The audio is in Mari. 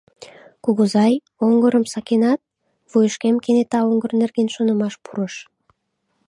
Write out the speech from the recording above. — Кугызай, оҥгырым сакенат? — вуйышкем кенета оҥгыр нерген шонымаш пурыш.